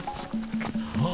ああ。